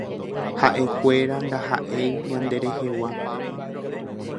Haʼekuéra ndahaʼéi ñande rehegua.